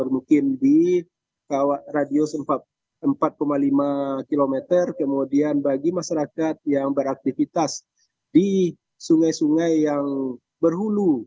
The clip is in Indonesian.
mungkin di radius empat lima km kemudian bagi masyarakat yang beraktivitas di sungai sungai yang berhulu